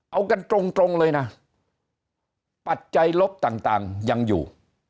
เอากันตรงเลยนะปัจจัยลบต่างยังอยู่